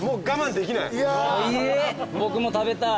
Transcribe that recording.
僕も食べたい。